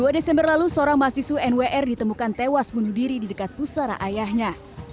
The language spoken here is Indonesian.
dua desember lalu seorang mahasiswa nwr ditemukan tewas bunuh diri di dekat pusara ayahnya